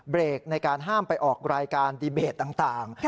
ในการห้ามไปออกรายการดีเบตต่าง